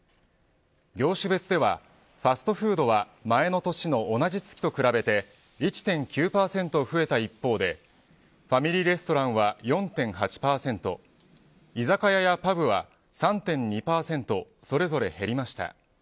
業種別ではファストフードは前の年の同じ月と比べて１．９％増えた一方でファミリーレストランは４．８％居酒屋やパブは３．２％それぞれ減りました。